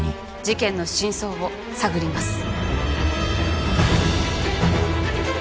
事件の真相を探ります。